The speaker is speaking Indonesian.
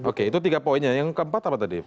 oke itu tiga poinnya yang keempat apa tadi